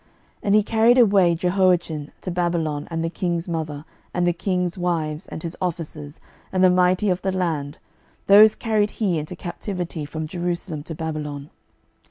12:024:015 And he carried away Jehoiachin to Babylon, and the king's mother, and the king's wives, and his officers, and the mighty of the land, those carried he into captivity from Jerusalem to Babylon.